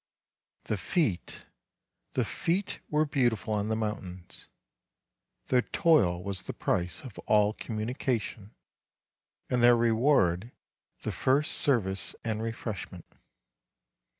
The feet, the feet were beautiful on the mountains; their toil was the price of all communication, and their reward the first service and refreshment.